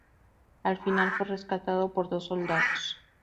Al final fue rescatado por dos soldados.